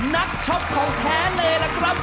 นักช็อปของแท้เลยล่ะครับ